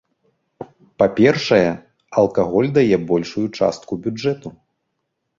Па-першае, алкаголь дае большую частку бюджэту.